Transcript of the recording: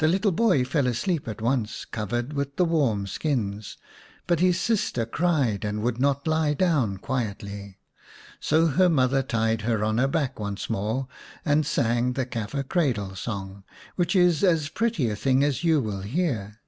The little boy fell asleep at once, covered with the warm skins, but his sister cried and would not lie down quietly. So her mother tied her on her back once more and sang the Kafir cradle song, which is as pretty a thing as you will hear.